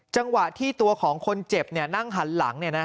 จังหวะที่ตัวของคนเจ็บนั่งหันหลัง